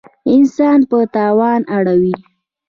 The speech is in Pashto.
انسان په تاوان اړوي.